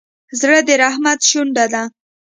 زړه د رحمت شونډه ده.